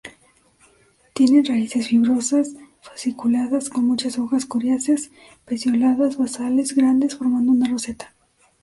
Tienen raíces fibrosas, fasciculadas, con muchas hojas coriáceas, pecioladas, basales, grandes, formando una roseta.